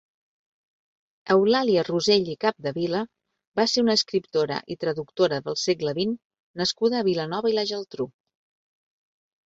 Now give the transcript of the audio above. Eulàlia Rosell i Capdevila va ser una escriptora i traductora del segle vint nascuda a Vilanova i la Geltrú.